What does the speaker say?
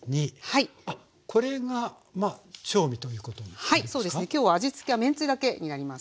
はいそうですね。今日は味つけはめんつゆだけになります。